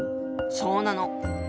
そうなの。